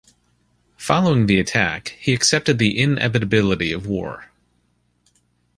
Following the attack, he accepted the inevitability of war.